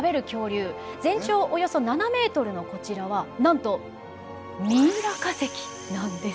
全長およそ７ｍのこちらはなんとミイラ化石なんです！